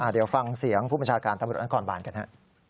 เดี๋ยวฟังเสียงผู้บัญชาการตำรวจนครบานกันฮะ